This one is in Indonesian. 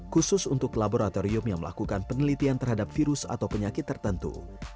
khusus untuk laboratorium yang melakukan penelitian terhadap virus atau penyakit tertentu